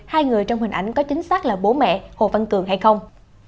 hai người trong hình ảnh có chính xác là bố mẹ hồ văn cường hay không